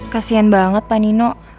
kasian banget pak nino